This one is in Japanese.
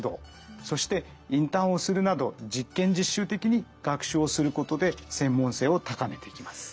そしてインターンをするなど実験実習的に学習をすることで専門性を高めていきます。